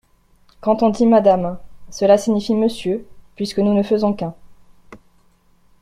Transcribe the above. Quand on dit madame… cela signifie monsieur, puisque nous ne faisons qu’un.